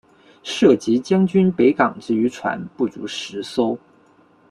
设籍将军北港之渔船不足十艘。